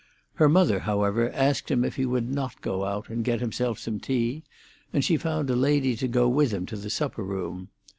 Her mother, however, asked him if he would not go out and get himself some tea, and she found a lady to go with him to the supper room.